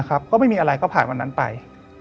ก็ไม่มีอะไรก็ผ่านวันนั้นไป